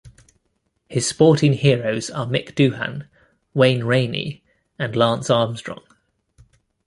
His sporting heroes are Mick Doohan, Wayne Rainey and Lance Armstrong.